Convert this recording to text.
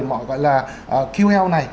mọi gọi là ql này